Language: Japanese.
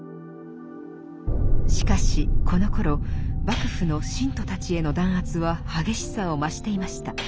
しかしこのころ幕府の信徒たちへの弾圧は激しさを増していました。